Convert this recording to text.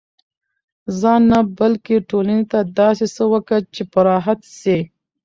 ځان نه، بلکي ټولني ته داسي څه وکه، چي په راحت سي.